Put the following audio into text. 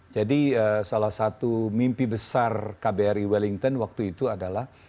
jadi salah satu mimpi besar kbri wellington waktu itu adalah